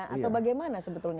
atau bagaimana sebetulnya